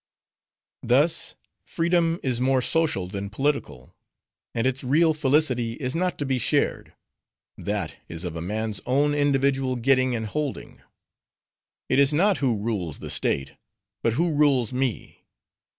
"Thus, freedom is more social than political. And its real felicity is not to be shared. That is of a man's own individual getting and holding. It is not, who rules the state, but who rules me.